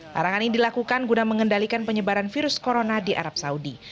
larangan ini dilakukan guna mengendalikan penyebaran virus corona di arab saudi